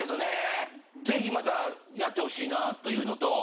ぜひまたやってほしいなというのと。